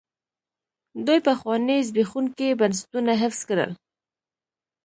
دوی پخواني زبېښونکي بنسټونه حفظ کړل.